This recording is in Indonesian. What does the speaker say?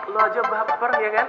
lo aja baper ya kan